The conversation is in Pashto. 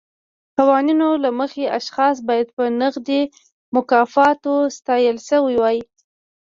قوانینو له مخې اشخاص باید په نغدي مکافاتو ستایل شوي وای.